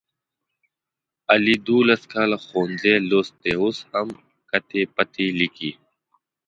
علي دوولس کاله ښوونځی لوستی اوس هم کتې پتې لیکي.